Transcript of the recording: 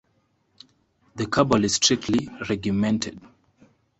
The Cabal is strictly regimented.